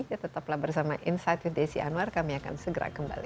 ya tetaplah bersama insight with desi anwar kami akan segera kembali